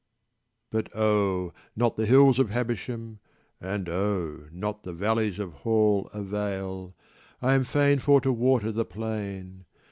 But oh, not the hills of Habersham, And oh, not the valleys of Hall Avail: I am fain for to water the plain.